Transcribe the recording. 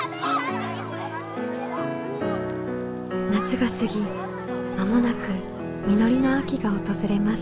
夏が過ぎ間もなく実りの秋が訪れます。